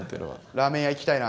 ラーメン屋行きたいな。